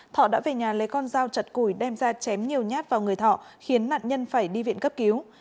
thọ đã về nhà lấy con dao chật củi đem ra chém nhiều nhát vào người thọ khiến nạn nhân phải đi viện cấp cứu